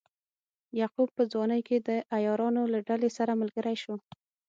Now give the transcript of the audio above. یعقوب په ځوانۍ کې د عیارانو له ډلې سره ملګری شو.